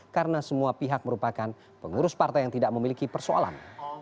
karena semua pihak merupakan pengurus partai yang tidak memiliki persoalan